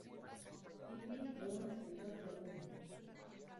Kipling fue un escritor fecundo.